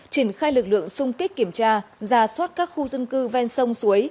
triển khai lực lượng sung kích kiểm tra ra soát các khu dân cư ven sông suối